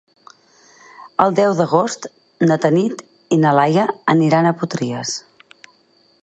El deu d'agost na Tanit i na Laia aniran a Potries.